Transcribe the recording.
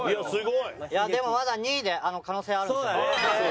いやでもまだ２位で可能性あるんですよね？